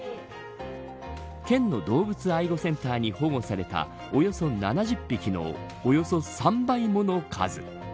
県の動物愛護センターに保護されたおよそ７０匹のおよそ３倍もの数。